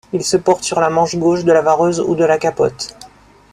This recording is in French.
Ils se portent sur la manche gauche de la vareuse ou de la capote.